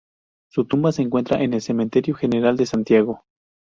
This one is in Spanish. Su tumba se encuentra en el Cementerio General de Santiago.